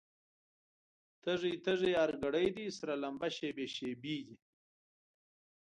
تږی، تږی هر ګړی دی، سره لمبه شېبې شېبې دي